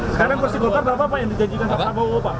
sekarang kursi golkar berapa pak yang dijanjikan pak prabowo pak